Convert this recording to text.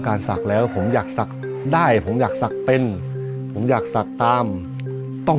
การสักแล้วผมอยากสักได้ผมอยากสักเป็นผมอยากสักตามต้อง